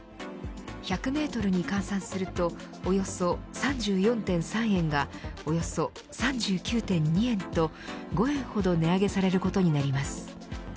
１００メートルに換算するとおよそ３４．３円がおよそ３９．２円と５円ほど値上げされることになります。